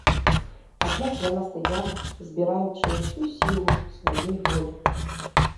Аднак яна стаяла, збіраючы ўсю сілу сваёй волі.